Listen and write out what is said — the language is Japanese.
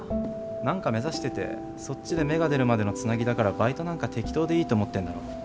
何か目指しててそっちで芽が出るまでのつなぎだからバイトなんか適当でいいと思ってるんだろ。